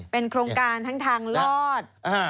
เป็นโครงการทางลอด